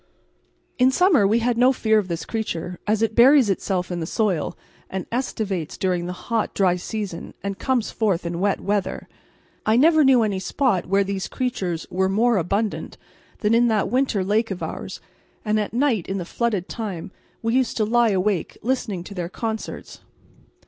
In summer we had no fear of this creature, as it buries itself in the soil and aestivates during the hot, dry season, and comes forth in wet weather. I never knew any spot where these creatures were more abundant than in that winter lake of ours, and at night in the flooded time we used to lie awake listening to their concerts.